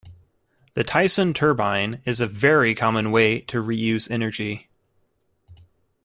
The Tyson Turbine is a very common way to reuse energy.